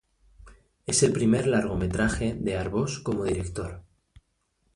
Es el primer largometraje de Arbós como director.